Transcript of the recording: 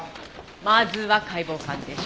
まずは解剖鑑定書。